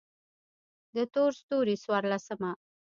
د تور ستوري څوارلسمه: